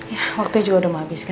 ya waktu juga udah mau habis ya